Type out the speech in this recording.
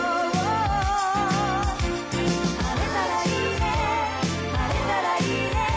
「晴れたらいいね晴れたらいいね」